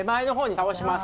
倒します。